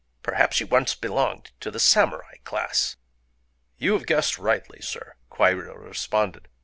Perhaps you once belonged to the samurai class?" "You have guessed rightly, Sir," Kwairyō responded.